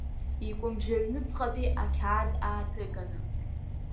Икәымжәы аҩнуҵҟантәи ақьаад ааҭганы.